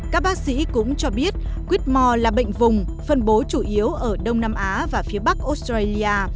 các bác sĩ cũng cho biết whitmore là bệnh vùng phân bố chủ yếu ở đông nam á và phía bắc australia